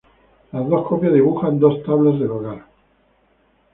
Las dos coplas dibujan dos tablas del hogar.